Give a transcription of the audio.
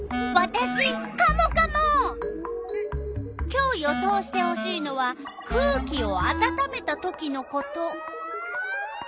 今日予想してほしいのは「空気をあたためたときのこと」。